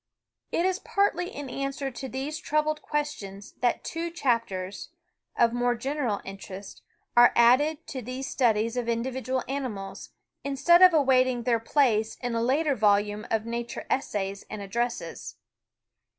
It is partly in answer to these troubled questions that two chapters, of more general interest, are added to these studies of indi vidual animals, instead of awaiting their place in a later volume of nature essays and addresses.